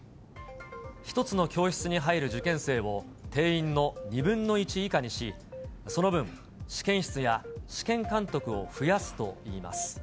１つの教室に入る受験生を、定員の２分の１以下にし、その分、試験室や試験監督を増やすといいます。